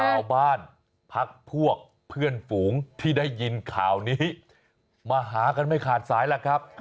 พักพวกเพื่อนฝูงที่ได้ยินข่าวนี้มาหากันไม่ขาดสายแล้วครับ